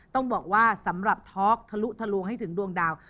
ต้องบอกว่าสำหรับท็อกทะลุทะลวงให้ถึงดวงดาว